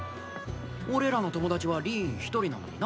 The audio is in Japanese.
俺らの友達はリーンひとりなのにな！